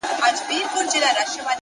ستا په ليدو مي ژوند د مرگ سره ډغري وهي ـ